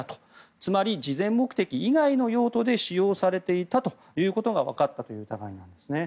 つまり、慈善目的以外の用途で使用されていたということが分かったという疑いです。